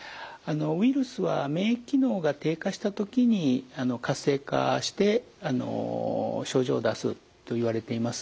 ウイルスは免疫機能が低下した時に活性化して症状を出すといわれています。